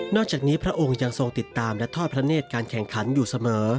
อกจากนี้พระองค์ยังทรงติดตามและทอดพระเนธการแข่งขันอยู่เสมอ